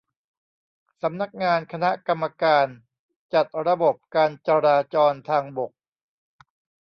สำนักงานคณะกรรมการจัดระบบการจราจรทางบก